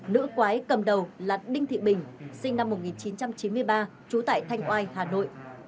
nữ quái cầm đầu là đinh thị bình sinh năm một nghìn chín trăm chín mươi ba trú tại thanh oai hà nội